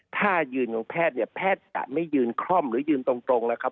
ถ้ายืนของแพทย์เนี่ยแพทย์จะไม่ยืนคล่อมหรือยืนตรงแล้วครับ